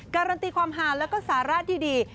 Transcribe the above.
การันตีความหาแล้วก็สาระที่ดี